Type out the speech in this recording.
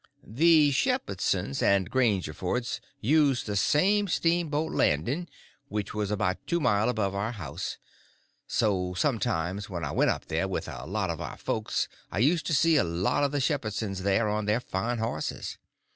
The Shepherdsons and Grangerfords used the same steamboat landing, which was about two mile above our house; so sometimes when I went up there with a lot of our folks I used to see a lot of the Shepherdsons there on their fine horses.